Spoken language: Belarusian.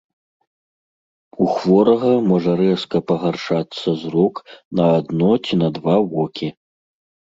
У хворага можа рэзка пагаршацца зрок на адно ці на два вокі.